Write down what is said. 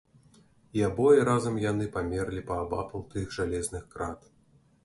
І абое разам яны памерлі паабапал тых жалезных крат.